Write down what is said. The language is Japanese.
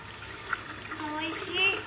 「おいしい！